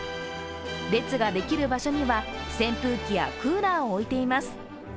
列ができる場所には扇風機やクーラーを置いています。